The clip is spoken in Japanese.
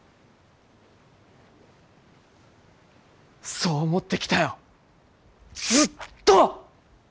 そう思ってきたよずっと！